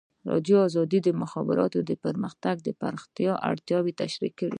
ازادي راډیو د د مخابراتو پرمختګ د پراختیا اړتیاوې تشریح کړي.